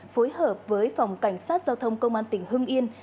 phối hợp với phòng cảnh sát giao thông công an tỉnh hưng yên